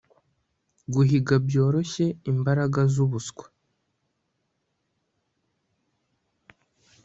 Guhiga byoroshye imbaraga zubuswa